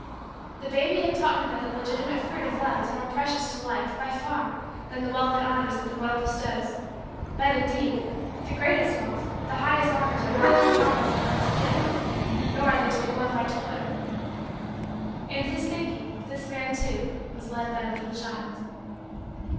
The baby had taught him that the legitimate fruit of love is more precious to Life, by far, than the wealth and honors that the world bestows that, indeed, the greatest wealth, the highest honors, are not in the power of the world to give; nor are they to be won by toil. In his thinking, this man, too, was led by a little child.